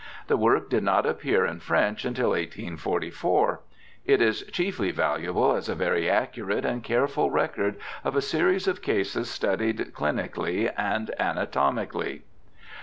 The work did not appear in French until 1844. It is chiefly valuable as a very accurate and careful record of a series of cases studied clinically and anatomically.